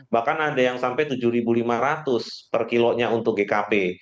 bahkan ada yang sampai tujuh ribu lima ratus per kilonya untuk gkp